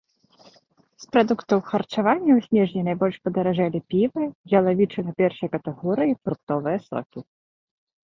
З прадуктаў харчавання ў снежні найбольш падаражэлі піва, ялавічына першай катэгорыі і фруктовыя сокі.